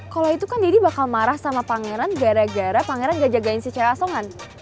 kalau itu kan didi bakal marah sama pangeran gara gara pangeran nggak jagain si cerasongan